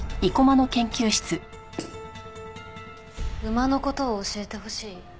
馬の事を教えてほしい？